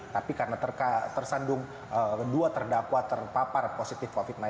tapi karena tersandung dua terdakwa terpapar positif covid sembilan belas